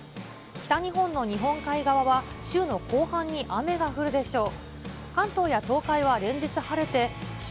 北日本の日本海側は、週の後半に雨が降るでしょう。